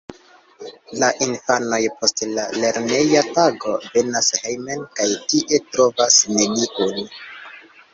La infanoj post la lerneja tago venas hejmen kaj tie trovas neniun.